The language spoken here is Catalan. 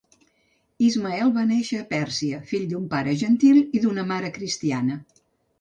Ismael va néixer a Pèrsia, fill d'un pare gentil i d'una mare cristiana.